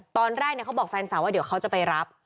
ตอนแรกเขาบอกแฟนสาวว่าเดี๋ยวเขาจะไปรับ